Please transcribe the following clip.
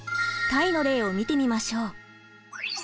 タイの例を見てみましょう。